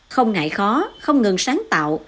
không ngại khó không ngừng sáng tạo